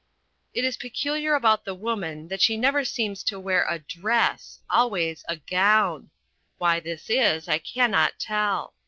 It is peculiar about The Woman that she never seems to wear a dress always a "gown." Why this is, I cannot tell.